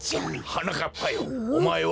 はなかっぱよ